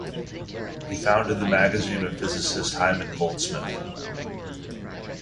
He founded the magazine with physicist Hyman Goldsmith.